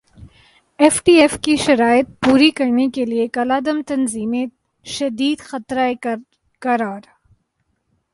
F A T F کی شرائط پوری کرنے کیلئے کالعدم تنظیمیںشدید خطرہ قرار